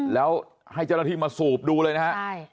แล้วให้เจ้าหน้าที่มาสูบดูเลยนะฮะ